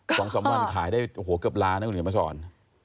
ของสอมวัลขายได้โหก็เกือบล้านนะคุณหญิงพระสรรค์